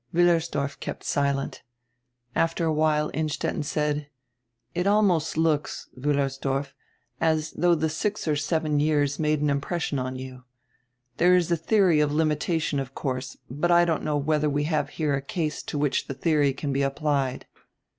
Wiillersdorf kept silent. After a while Innstetten said: "It almost looks, Wullersdorl, as though die six or seven years made an impression on you. There is a dieory of limitation, of course, but I don't know whether we have here a case to which the theory can be applied."